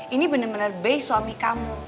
ini bener bener b suami kamu